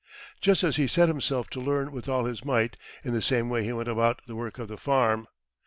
Just as he set himself to learn with all his might, in the same way he went about the work of the farm.